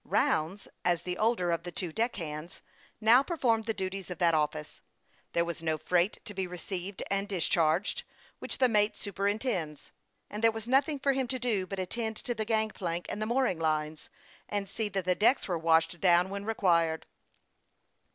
Rounds, as the older of the two deck hands, now performed the duties of that office. There was no freight to be received and discharged, which the mate superintends ; and there was nothing for him to do but attend to the gang plank and the mooring lines, and see that the decks were washed down when required.